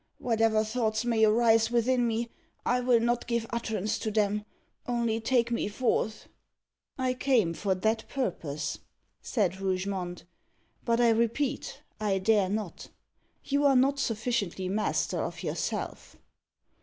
Whatever thoughts may arise within me, I will not give utterance to them. Only take me forth." "I came for that purpose," said Rougemont; "but I repeat, I dare not. You are not sufficiently master of yourself."